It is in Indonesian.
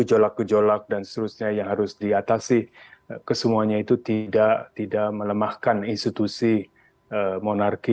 gejolak gejolak dan seterusnya yang harus diatasi kesemuanya itu tidak melemahkan institusi monarki